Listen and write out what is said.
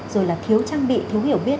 rồi là thiếu trang bị thiếu hiểu biết